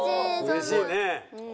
うれしいね。